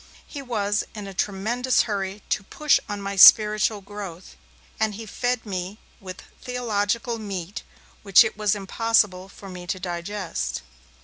He was in a tremendous hurry to push on my spiritual growth, and he fed me with theological meat which it was impossible for me to digest.